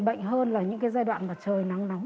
bệnh hơn là những giai đoạn trời nắng nóng